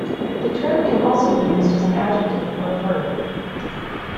The term can also be used as an adjective or a verb.